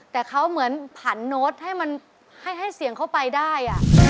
แต่เขาเหมือนผันโน้ตให้มันให้เสียงเข้าไปได้